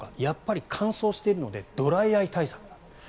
やっぱり乾燥してるのでドライアイ対策。